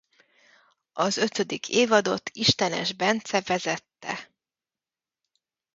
Az ötödik évadot Istenes Bence vezette.